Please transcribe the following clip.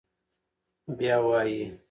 بيا وايي: